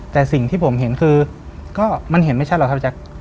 แต่สิ่งที่ผมเห็นคือก็มันเห็นไม่ชัดหรอกครับ